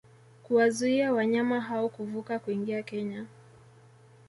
kuwazuia wanyama hao kuvuka kuingia Kenya